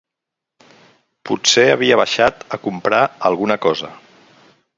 Potser havia baixat a comprar alguna cosa...